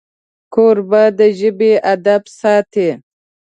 کوربه د ژبې ادب ساتي.